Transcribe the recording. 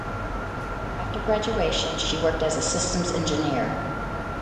After graduation, she worked as a systems engineer.